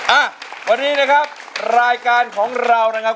อ่ะวันนี้นะครับรายการของเรานะครับ